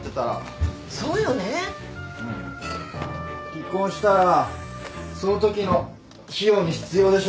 離婚したらそのときの費用に必要でしょ？